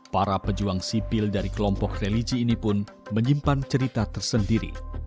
para pejuang sipil dari kelompok religi ini pun menyimpan cerita tersendiri